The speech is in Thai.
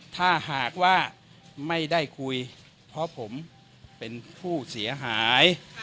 ถ้าหากว่าไม่ได้คุยเพราะผมเป็นผู้เสียหาย